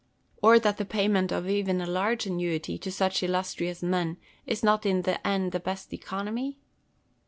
or that the payment of even a large annuity to such illustrious men is not in the end the best economy